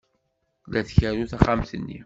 La tkerru taxxamt-nni.